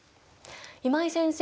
今井先生